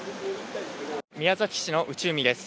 宮崎市の内海です。